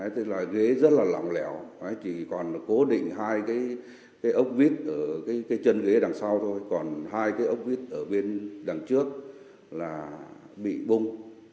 thế là ghế rất là lỏng lẻo chỉ còn cố định hai cái ốc vít ở cái chân ghế đằng sau thôi còn hai cái ốc vít ở bên đằng trước là bị bung